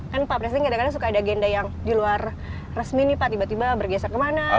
kan pak presiden kadang kadang suka ada agenda yang di luar resmi nih pak tiba tiba bergeser kemana